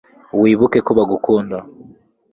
wibuke ko bagukunda